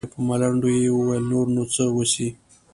په ملنډو يې وويل نور نو څه وسي.